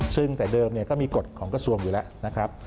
ซึ่งแต่เดิมก็มีกฎของกระทรวงอยู่แล้วนะครับ